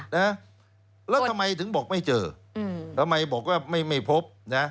แล้วทำไมถึงบอกไม่เจอทำไมบอกว่าไม่พบ